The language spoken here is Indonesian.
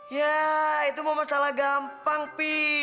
ya itu mau masalah gampang pi